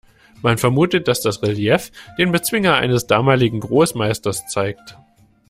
Man vermutet, dass das Relief den Bezwinger eines damaligen Großmeisters zeigt.